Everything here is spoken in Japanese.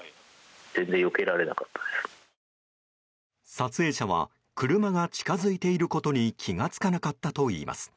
撮影者は車が近づいてくることに気が付かなかったといいます。